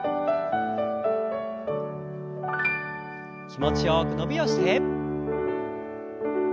気持ちよく伸びをして。